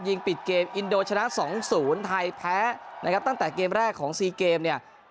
ยิงปิดเกมอินโดชนะ๒๐ไทยแพ้นะครับตั้งแต่เกมแรกของซีเกมเนี่ย